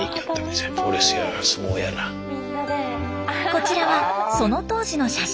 こちらはその当時の写真。